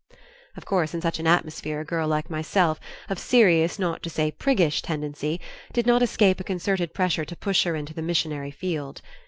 Of course in such an atmosphere a girl like myself, of serious not to say priggish tendency, did not escape a concerted pressure to push her into the "missionary field."